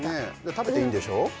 食べていいんでしょ？